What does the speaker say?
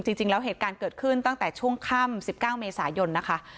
จริงแล้วเหตุการณ์เกิดขึ้นตั้งแต่ช่วงค่ำ๑๙เมษายนนะคะ